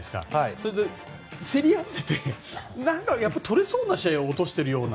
それで、競り合っててもやっぱり、とれそうな試合を落としているような。